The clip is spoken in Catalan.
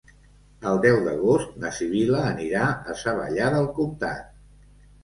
El deu d'agost na Sibil·la anirà a Savallà del Comtat.